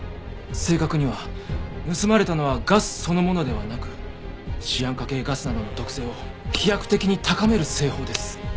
正確には盗まれたのはガスそのものではなくシアン化系ガスなどの毒性を飛躍的に高める製法です。